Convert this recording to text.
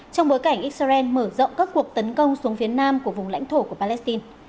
trong bối cảnh israel mở rộng các cuộc tấn công xuống phía nam của vùng lãnh thổ của palestine